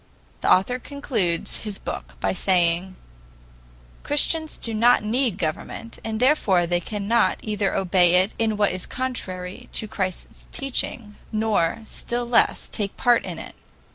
The author concludes his book by saying: "Christians do not need government, and therefore they cannot either obey it in what is contrary to Christ's teaching nor, still less, take part in it."